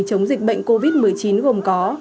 chống dịch bệnh covid một mươi chín gồm có